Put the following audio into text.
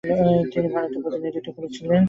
তিনি ভারতের প্রতিনিধিত্ব করেছিলেন।